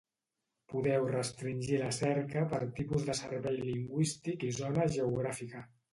Podeu restringir la cerca per tipus de servei lingüístic i zona geogràfica.